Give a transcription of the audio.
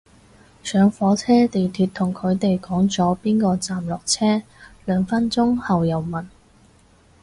上火車地鐵同佢哋講咗邊個站落車，兩分鐘後又問